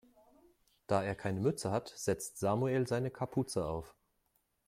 Da er keine Mütze hat, setzt Samuel seine Kapuze auf.